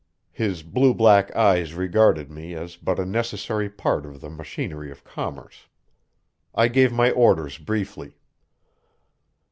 His blue black eyes regarded me as but a necessary part of the machinery of commerce. I gave my orders briefly.